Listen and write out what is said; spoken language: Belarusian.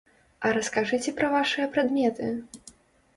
А раскажыце пра вашыя прадметы.